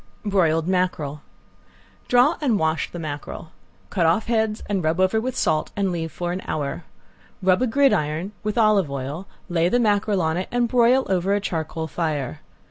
~BROILED MACKEREL~ Draw and wash the mackerel. Cut off heads and rub over with salt and leave for an hour. Rub a gridiron with olive oil, lay the mackerel on it and broil over a charcoal fire.